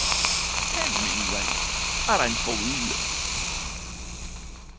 Hemmingway er ein bolle.